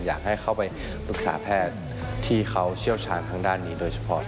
อยากให้เข้าไปปรึกษาแพทย์ที่เขาเชี่ยวชาญทางด้านนี้โดยเฉพาะ